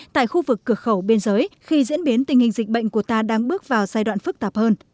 tại khu vực cửa khẩu biên giới khi diễn biến tình hình dịch bệnh của ta đang bước vào giai đoạn phức tạp hơn